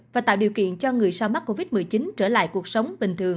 và tạo điều kiện cho người sau mắc covid một mươi chín trở lại cuộc sống bình thường